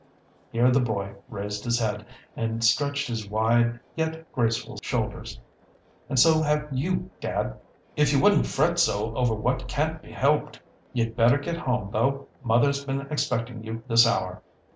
Here the boy raised his head, and stretched his wide, yet graceful shoulders; "and so have you, dad, if you wouldn't fret so over what can't be helped. You'd better get home, though, mother's been expecting you this hour.